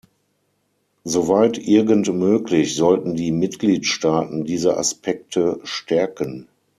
Soweit irgend möglich sollten die Mitgliedstaaten diese Aspekte stärken.